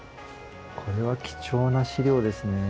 これは貴重な資料ですね。